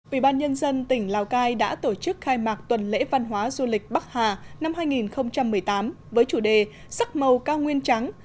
ủy ban nhân dân tỉnh lào cai đã tổ chức khai mạc tuần lễ văn hóa du lịch bắc hà năm hai nghìn một mươi tám với chủ đề sắc màu cao nguyên trắng